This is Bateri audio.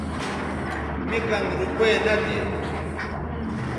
مے کن روپے نہ تھے